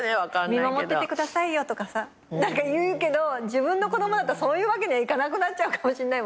見守っててくださいよとかさ言うけど自分の子供だったらそういうわけにはいかなくなっちゃうかもしんない。